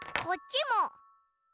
こっちも。